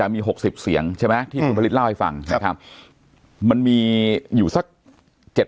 มีหกสิบเสียงใช่ไหมอืมที่คุณผลิตเล่าให้ฟังครับมันมีอยู่สักเจ็ด